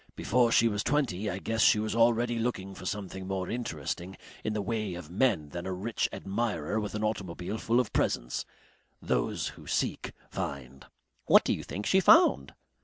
Before she was twenty I guess she was already looking for something more interesting in the way of men than a rich admirer with an automobile full of presents. Those who seek find." "What do you think she found?"